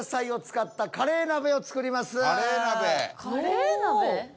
カレー鍋。